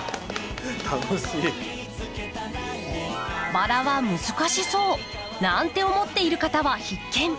バラは難しそうなんて思っている方は必見。